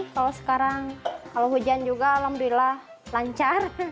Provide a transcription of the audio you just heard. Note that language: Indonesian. kalau sekarang kalau hujan juga alhamdulillah lancar